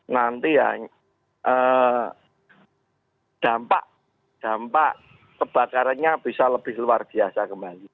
nanti ya dampak kebakarannya bisa lebih luar biasa kembali